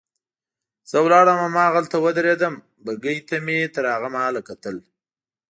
زه ولاړم هماغلته ودرېدم، بګۍ ته مې تر هغه مهاله کتل.